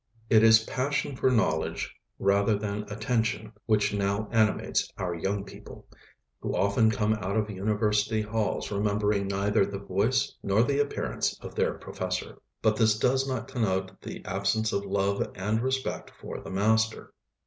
It is passion for knowledge rather than attention which now animates our young people, who often come out of university halls remembering neither the voice nor the appearance of their professor. But this does not connote the absence of love and respect for the master.